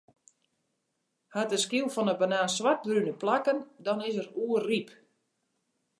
Hat de skyl fan 'e banaan swartbrune plakken, dan is er oerryp.